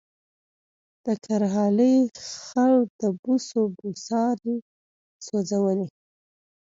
د کرهالې خړ د بوسو بوساړه سوځولې